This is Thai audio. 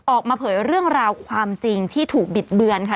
เผยเรื่องราวความจริงที่ถูกบิดเบือนค่ะ